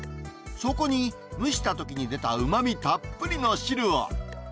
そこに蒸したときに出たうまみたっぷりの汁を。